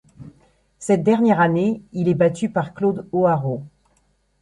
Cette dernière année, il est battu par Claude Hoarau.